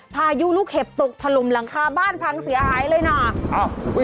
พายุลูกเห็บตกถล่มหลังคาบ้านพังเสียหายเลยน่ะอ้าว